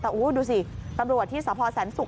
แต่ดูสิปรับบรวดที่สภาษณ์แสนสุข